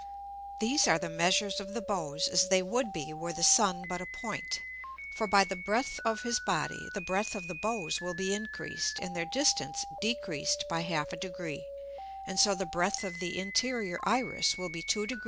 These are the Measures of the Bows, as they would be were the Sun but a Point; for by the Breadth of his Body, the Breadth of the Bows will be increased, and their Distance decreased by half a Degree, and so the breadth of the interior Iris will be 2 Degr.